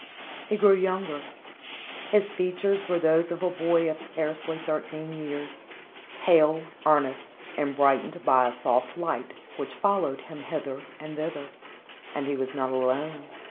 He grew younger; his features were those of a boy of scarcely thirteen years, pale, earnest and brightened by a soft light which followed him hither and thither, and he was not alone.